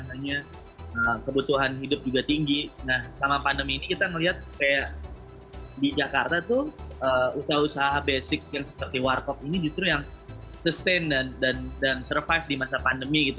orang orangnya cepat gitu terus hasil kebutuhan hidup juga tinggi nah sama pandemi ini kita ngeliat kaya di jakarta tuh usaha usaha basic yang seperti warcop ini justru yang sustain dan survive di masa pandemi gitu